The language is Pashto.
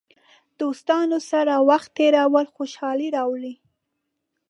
دوستانو سره وخت تېرول خوشحالي راولي.